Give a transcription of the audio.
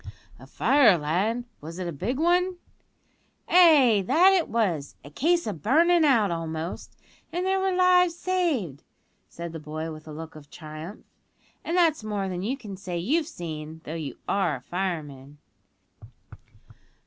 "A fire, lad; was it a big one?" "Ay, that it was; a case o' burnin' out almost; and there were lives saved," said the boy with a look of triumph; "and that's more than you can say you've seen, though you are a fireman."